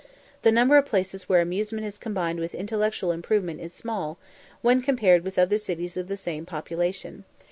The number of places where amusement is combined with intellectual improvement is small, when compared with other cities of the same population.